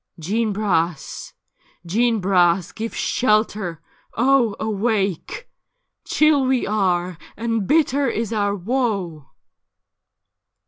' Jeanne Bras ! Jeanne Bras ! give shelter I Oh, awake ! Chill we are, and bitter is our woe.'